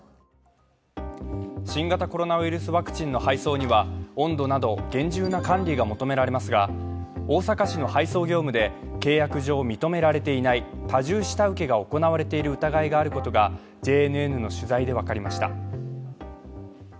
新型コロナウイルスワクチンの配送には温度など厳重な管理が求められますが、大阪市の配送業務で契約上、認められていない多重下請けが行われている疑いがあることがＪＮＮの取材で分かりました。